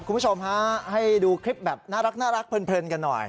คุณผู้ชมฮะให้ดูคลิปแบบน่ารักเพลินกันหน่อย